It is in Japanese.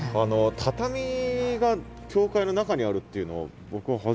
畳が教会の中にあるっていうのを僕は初めて見ましたね。